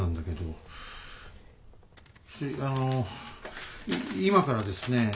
い今からですね